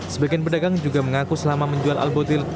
sebagian pedagang juga mengaku selama menjual al botil